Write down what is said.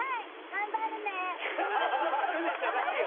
「頑張るね」じゃないよ。